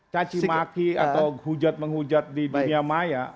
cacimaki atau hujat menghujat di dunia maya